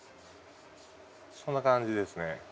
そんな感じですね。